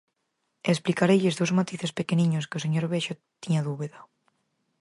E explicareilles dous matices pequeniños que o señor Bexo tiña dúbida.